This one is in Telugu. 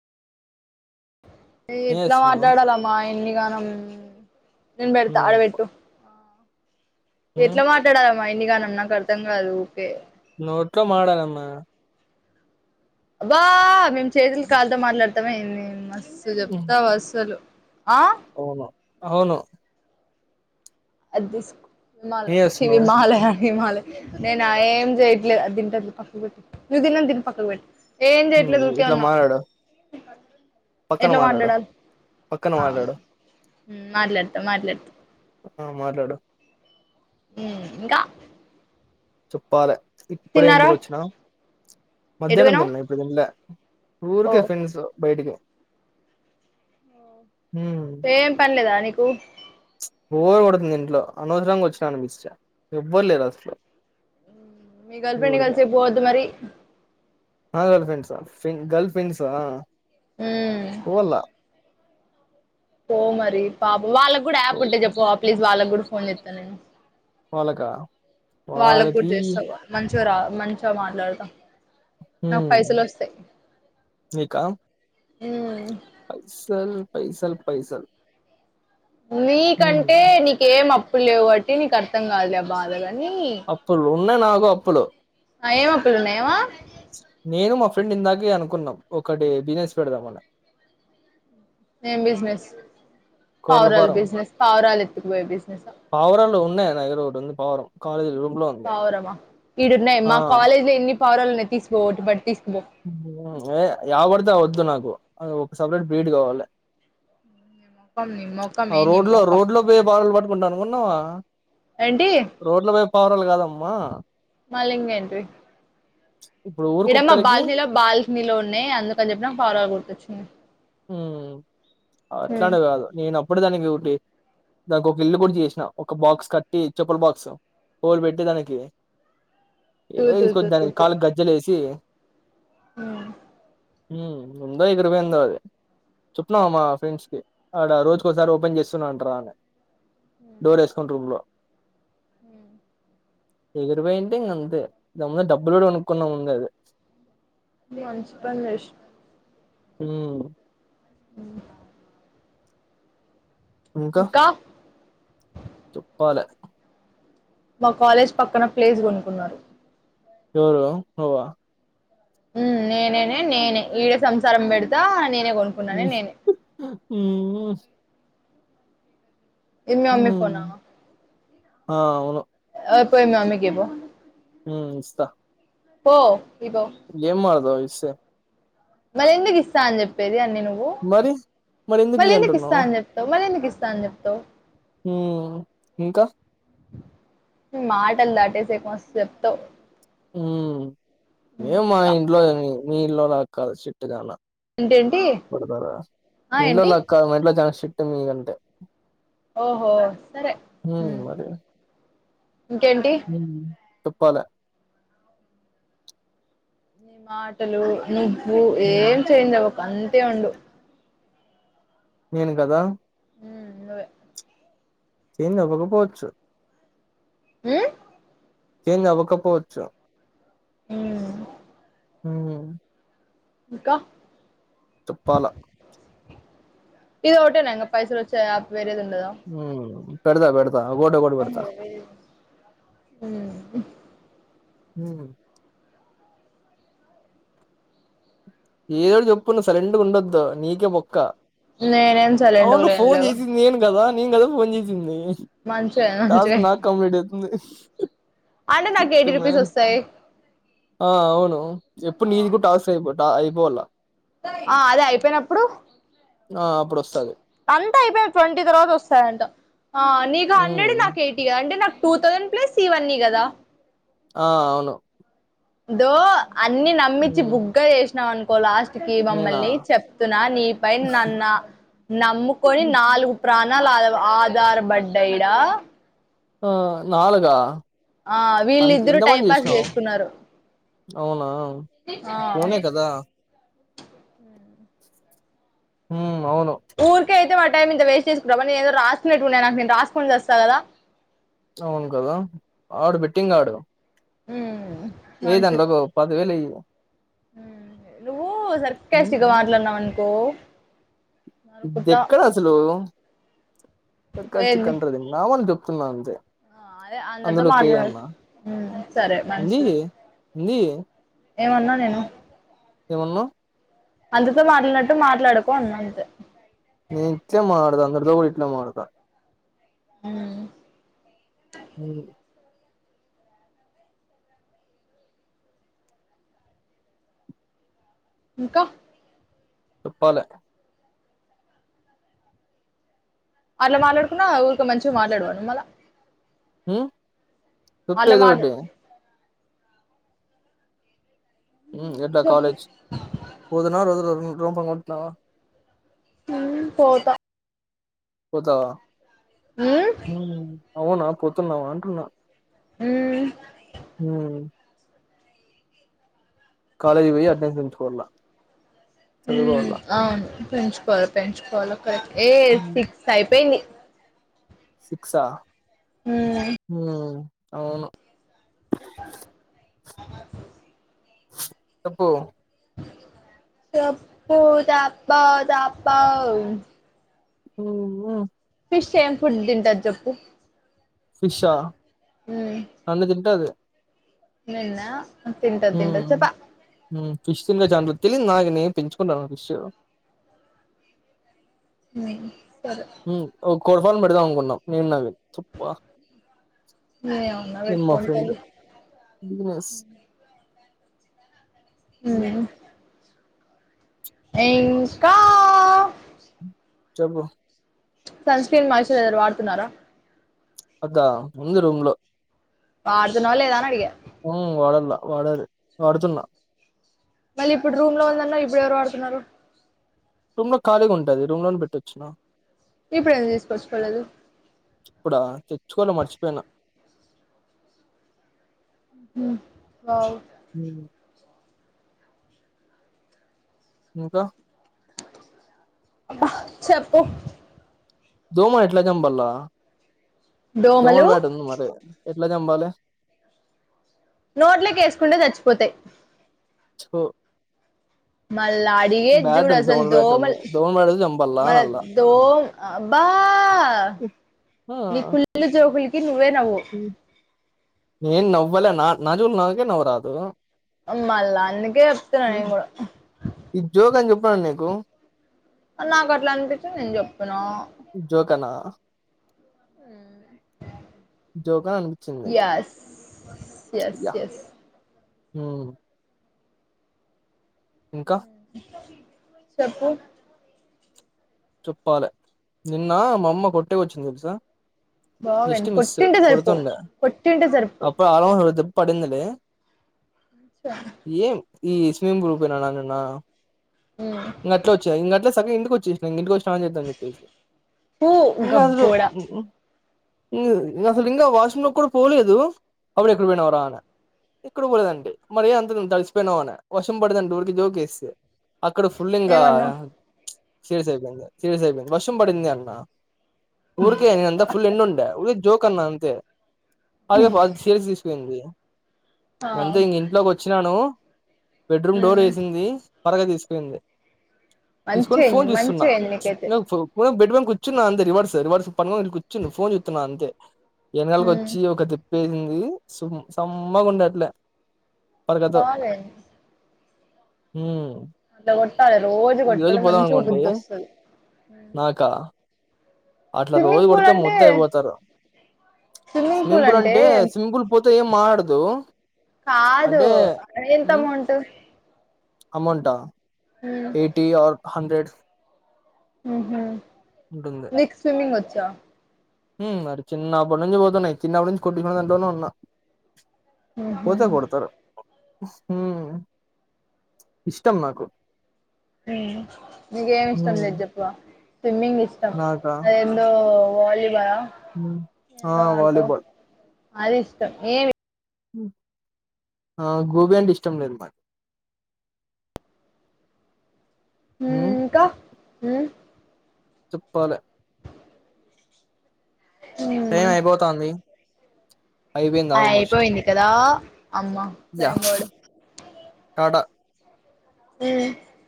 ఏం ఎట్లా చేస్తున్నావ్ మాట్లాడాలమ్మా ఎన్ని గానం నేన్ బెడత ఆడ హ్మ్ బెట్టు హ్మ్ ఎట్లా మాట్లాడాలా మైండి కాను నాకు అర్థం కాదు ఊకే నోట్లో మాడలమ్మ. అబ్బా మేము చేతుల కాల్లతో మాట్లాడతామ ఏంది మస్ మస్తు హ్మ్. చెప్తావ్ అస్సలు ఆ అవును అవును. అది తీసుకో మాల ఏం చివి చేస్తున్నావ్ మాలయ హిమాలయ నేన ఏం చేయట్లే తింటన పక్క పెట్టి నువ్వు తిన్నంత తిని పక్కకు పెట్టి ఏం హ్మ్ చేయట్లేదు ఉకె ఇట్లా ఉన్నా మాట్లాడు పక్కన మాట్లాడు పక్కన ఆ మాట్లాడు మాట్లాడతా మాట్లాడతా ఆ మాట్లాడు ఇంకా చుప్పాలె ఇప్పుడే తిన్నారా ఇంటికి వచ్చినా ఎటు మధ్యాహ్నం పోయినావ్ తిన్నా. ఇప్పుడు తినలే [inaudible] ఊర్కె ఓ ఫ్రెండ్స్, బయటికి. హ్మ్ ఏం పనిలేదా. నీకు బోర్ కొడుతోంది ఇంట్లో అనవసరంగా వచ్చిన అనిపిస్తా-ఎవ్వరు లేరు అసలు. మీ గర్ల్ ఫ్రెండ్ కలిసి పోవద్దు. మరి ఆ గర్ల్ ఫ్రెండ్సా, గర్ల్ ఫ్రెండ్సా ఆ ఉమ్ పోలే పో మరి పాప వాళ్ళకు కూడా యాప్ ఉంటే చెప్పవా. ప్లీజ్ వాళ్ళకు కూడా ఫోన్ చేస్తాను. నేను వాళ్ళకా వాళ్ళకు కూడా వాళ్ళకి చేస్తావా. మంచి చేయరాదు. మంచిగా మాట్లాడుతా. నాకు హ్మ్ పైసలు వస్తాయి. నీకా ఉ పైసల్, పైసల్, పైసల్ హ్మ్ నీకంటే నీకేం అప ఇప్పుడు లేవు కాబట్టి బట్టి నీకు అర్థం కాదులే ఆ బాధలు అప్పుల్ ఉన్ననా క అప్పుడు. ఏమో పిల్లన్నా ఏమో నేను మా ఫ్రెండ్ ఇందాకే అనుకున్నాం. ఒకటి బిజినెస్ పెడదామని. ఏం బిజినెస్. కోర్ల పావురాలు ఫారం బిజినెస్ పావురాలు ఎత్తుకు పోయె బిజినెస్ హ పావురాలు ఉన్నాయి. నా దగ్గర ఒకటి ఉంది పావురం. కాలేజీలో పావురమా ఇడ ఉన్నాయి. మా కాలేజ్ లో ఎన్ని పావురాలు ఉన్నాయి. ఒకటి తీసుకోపో మరి తీసు యే యావగొడుత వద్దు. నాకు అ ఒక సపరేట్ బ్రీడ్ కావాలి. మొఖం నీ ఆ మొఖమే నీ రోడ్ లో మొఖం రోడ్ లో పోయే బాటలు పట్టుకుంటా నువ్వు ఉన్నావా. ఏంటి రోడ్ లో పోయి పావురాలు కాదమ్మా. మళ్ళింగా ఏంటిది. ఇప్పుడు ఊరు ఇడ మా కుక్కలకి బాల్కనీలో బాల్కినీ లో ఉన్నాయి. అందు ఎంత చెప్పినా ఫాలో అవుకుంటు వచ్చినయి. హు అట్లాండే కా కాదు నేనుప్పు అప్పుడే దానిమీదోటి దానికి ఒక ఇల్లు కూడా చేసిన ఒక బాక్స్ కట్టి చెప్పుల బాక్స్ హోల్ పెట్టి దానికి ఏ తూ తూ తూ తీసుకోవచ్చ దానికి కాలుకు గజ్జలేసి మ్మ్ ఉమ్మ్ ఉందో ఎగిరిపోయిందో అది చుప్న్నావా మా ఫ్రెండ్స్ కి ఆడ రోజుకోసారి ఓపెన్ చేస్తున్నా అంటర అని డోర్ ఏసుకుంట రూమ్ లో మ్మ్ ఎగిరిపోయింటే ఇంక అంతే దాముద డబ్బులు కూడా కొనుక్కున్నాముందె అది నువ్ మంచిపని చేశినవ్ హ్మ్మ్ మ్మ్ ఇంకా చెప్పాలే మా కాలేజ్ పక్కన ప్లేస్ కొనుక్కున్నరు. ఎవరు నువ్వా? ఉమ్ నేనేనే నేనే ఈడ సంసారం బెడుత నేనే కొనుక్కున్నానే నేనే ఉమ్మ్ ఇదిమ అమ్మి ఫోన్నా హ్మ్. ఆ అవును. ఆ పో నానికియ్ పో ఉమ్ ఇస్తా పో ఇపో ఏంమాదువ సేమ్ మళ్ళీ ఎందుకు ఇస్తా అని చెప్పేది అని నేను మరి? మరెందుకు ఇయ్యి మలిందు కిస్తా అంటున్నావు? అ చెప్తా మలందకిిస్తా స్త చెప్తో హ ఇంకా మాటలు దాటేసే కొ మ చెప్తావు ఉ ఏ మా ఇంట్లో మీ ఇళ్లల్లో లా కాదు చిట్టి దాన ఏంటేంటి పడతారా ఆ మీ ఏంటి ఇళ్ళలోల కాదు మా ఇంట్లో చాలా స్ట్రీట్ మీ కంటే ఓహో సరే మరి ఇంకేంటి చెప్పాల నీ మాటలు నీ నువ్వు హ్మ్. ఏం చేంజ్ అవవ్ అంతే ఉడు నేను కదా ఉమ్ నువ్వే చేంజ్ అవ్వకపోవచ్చు ఉమ్మ్ చేంజ్ అవ్వకపోవచ్చు ఉమ్మ్ ఉమ్ ఇంకా చెప్పాలా ఇది ఒకటేనా ఇంకా పైసలు వచ్చే యాప్ వేరేది ఉంద్ ఉమ్ ఆ పెడదా పెడ ఉమ్మ్ ఉమ్ ఏదో ఒకటి చెప్పు నువ్వు సైలెంట్ గా ఉండొద్దు నీకే బొక్క నేనేం సైలెంట్ గా అవును ఫోను లేనులే ఇగ చేసింది నేను గదా! నేను కదా ఫోన్ చేసింది టాస్క్ మంచిగా నాకు కంప్లీట్ అవుతుంది అంటే నాకు స్ట్రీట్ ఎయిటీ రూపీస్ మామ్ వస్తాయి ఆ అవును ఎప్పుడు నీది కూడా టాస్క్ అయిప్ దా అయిపోల ఆ అదే అయిపోయినప్పుడు ఆ! అప్పుడొస్తది. అంతా అయిపోయిన ట్వంటీ తర్వాత వస్తాదంట ఆ నీకు హండ్రెడ్ హ్మ్. నాకీ ఏటి గా అంటే నాక్ టూ థౌసండ్ ప్లస్ ఇవన్నీ కదా ఆ అవును దో అన్ని నమ్మించి హ్మ్. బుగ్గ చేస్ చేసినావ్ అనుకో లాస్ట్ లాస్ట్ కీ నేనా? మమ్మల్ని చెప్తున్నా నీ ప నన్న నమ్ముకొని నాలుగు ప్రాణాలు ఆధార్ బడ్డైడా ఆ నాలుగ ఆ వీళ్ళద్దరు టైం పాస్ చేసుకున్నారు అవునా? ఆ ఫోనే కదా హ ఊర్ కేతే వాడ టైం ఇంత వేస్ట్ చేసుకుంటా న ఏదో రాసుకునేట్టు ఉన్నాను నాకుేను రాసుకనిస్తా కదా అవును కదా ఆడు బెట్టింగ్ ఆడు హ్మ్ ఏదండిలో ఒక పది వేయిలు అయ్యి హ ఓ హ్మ్ సర్కేసిట్ గా మాట్లాడనవండి ద ఇది ఎక్కడ అసలు స కస్ట్ ఏంది కండ్ర దం నావ దు చెస్తున్నాంతే అదే అంగతే మాార్గంగా సరే మనషి న ఏమన్నా నేను ఏమన్నా అందుతో మాట్లానట్టు మాట్లాడుకో ఉన్నాంత నించే మదా అంద్ర ద ఇట్ల మదా ఆ అ ఇంకా చెప్పాల అట్లా మాట్లాడుకున్నా ఊరికో మంచిగా మాట్లాడవానుమళ హ తుప్పే మాట్లా చోటే ఎలా చెప్పు కాాలేజ్ పోదునాళ రో భగుతున్నావా పోతా పోతవా హ అవునా పొద్తున్నావా అంటున్నా హ హ కాాలేజ్ పోయి అడ్మిషన్ ఎకోడలా హ అవును పెంచుకోవాలి పెంచుకోవాలి ఏ సిక్స్ అయిపోయింది శక్క్షా హ అవు చెప్పు చెప్ప తాప్ప తాప్ప ఓ విష ఏం ఫుడ్ తింటది చెప్పు ఫిష్ా అన్న తింట అది ఉన్న హ ఫిష్ తింద చాంద తెలింద నాగనీ పెంచుకున్నార ఫిష్ మ్మ్ సరే కోళ్ళఫం పెడదమనుకున్నం నేను నవిన్ తుప్పా నేనేమన్నా నేను మా పెట్టుకుంటా ఫ్రెండ్ బిజినెస్ హ్మ్. మ్మ్ ఇంకా చెప్పు సన్స్క్రీన్ మాయిశ్చరైజర్ వాడుతున్నారా అద్దా ఉంది రూంలో వాడుతున్నవా లేద అని అడిగా మ్ వాడల్లా వాడాలి వాడుతున్నా మళ్ళీ ఇప్పుడు రూమ్ లో ఉందన్నవు ఇప్పుడు ఎవరు వాడుతున్నారు రూమ్ లో ఖాళీగా ఉంటది రూమ్ లోనే పెట్టొచ్చిన ఇప్పుడు ఎందుకు తీసుకొచ్చుకోలేదు ఇప్పుడా తెచ్చుకోలే మర్చిపోయిన మ్మ్ వావ్ మ్మ్ ఇంక అబ్బ చెప్పు దోమని ఎట్లా చంపాల్లా దోమల దోమలు బ్యాట్ ఉంది మరి ఎట్ల చంపాలి నోట్లోకి ఏసుకుంటే చచ్చిపోతయి సో మళ్ళ అడిగేది జూడు అసలు దోమల బ్యాట్ దోమల్ ఉంది దోమల బ్యాట్ అయితే చంపాలా మల అనల్లా దో అబ్బా ఆ! నీ కుళ్ళు జోకులు నువ్వే నవ్వు హ్మ్. నేను నవ్వలే నా జోకులు నాకే నవ్వు రాదు మళ్ళ అందుకే చెప్తున్న నేను కూడ ప్పన నీకు నాకు అట్లా అనిపించింది నేను చెప్తున్నా జోకేనా? జోకా అనిపించింది నీకు. Yes yes yeah! ఎస్ హ్మ్ ఇంక చెప్పు చెప్పాలి నిన్న మా అమ్మ కొట్టుకు వచ్చింది తెల్సా బ్బా విడినీ కొట్టింటే సరిపోవు కొట్టింటే సరిపోవు అప్పుడు ఆల్మోస్ట్ ఒక దెబ్బ పడిందిలే ఏం ఈ స్విమ్ గ్రూపేనానా నిన్న ఇంకట్ వచ్చాయి ఇంట్ సగ ఇంటికి వచ్చిన ఇంటి వ చా చేద్దా అని చెప్పేసి పూ ఇకా గబ్బోడా అూ అసలు ఇంకా వాష్రూమ్ లో కూడా పోలేదు అప్పుడ ఎక్కడ పోయినావ రా అ ఎక్కడ పోలేదండి మరి అంత ను తడిసిపోయినావునే వర్షం పడదండి ఊరికి జోకేస్తే ఇక్కడ ఫుల్ంకా ఏమన్నావ్ శీ సైపోంది సీ సైపోంది వషం పడింది అన్నా ఊక ఎంతా ఫుల్ ఎ ఉంట జోకన్నా అంతే అలాగే ఫ షేర్స్ తీసుకుయింది ఆ నంతా ఇంక ఇంట్లోకి వచ్చినాను బెడ్రూమ్ డోర్ మ్మ్ వేసింది త్వరగా తీసుకు పింది మంచిగా తీసుకొని అయింది ఫోన్ చూస్తున్నా మంచిగా అయింది నీకైతే బెడ్ బ కూర్చున్న అంత రివర్స్ రిర్స్ ప కూర్చును ఫోన్ చూస్తున్నా అంతే ఎన్నికలకి మ్మ్ వచ్చి ఒక వేసింది సుమ్ సమ్మ గుండే అట్లే బాల హ అద ాల రోజు కొట్టాలి మంచిగా అనుకోండి బుద్ధిొస్తుంది నాకా అట్లా రోజు కొడితే ముద్ద అయిపోతారు స్విమ్మింగ్ పూల్ అంటే స్విమ్మింగ్ పూల్ పోతే ఏం మాడదు ందు కాదు ఎంత అమౌంట్. అమోంట్ ఆ మ్మ్ ఎయిటీ ఆర్ హండ్రెడ్. హుహ్ నీకు స్విమింగ్ వ చ్చా హ్ మరి చిన్నప్పటి నుంచి పోతున్నా, చిన్నప్పటి నుంచి కొట్టించన్న దట్లోనే ఉన్నా. ఉహు పోతే ఉమ్ కొడుతరు. హ్ ఇష్టం నాకు. హ్ నీకేమి ఇష్టం ఉమ్ లేదు చెప్పవా. స్విమ్మింగ్ ఇష్టం అదెందో వాలీబాల్ ఆ హ్ ఆ వాలీబాల్ అది ఇష్టం ఏమి ఆ గోబి అంటే ఇష్టం లేదు మాకి హ్మ్ హ్మ్ చెప్పాలె ఉమ్ టైమ్ అయిపోతాంది. అయిపోయింది ఆల్మోస్ట్ అయిపోయింది కదా. అమ్మ సైన్ బోర్డు కాడ హ్మ్